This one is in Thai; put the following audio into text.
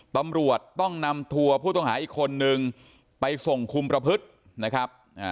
ตำรวจต้องนำตัวผู้ต้องหาอีกคนนึงไปส่งคุมประพฤตินะครับ